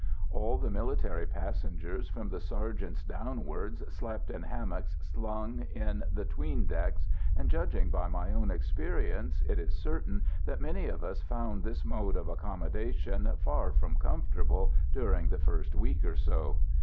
All the military passengers, from the sergeants downwards, slept in hammocks slung in the 'tween decks, and, judging by my own experience, it is certain that many of us found this mode of accommodation far from comfortable during the first week or so.